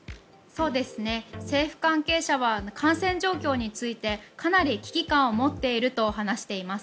政府関係者は感染状況についてかなり危機感を持っていると話しています。